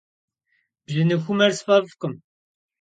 Бжьыныхумэр сфӏэфӏкъым.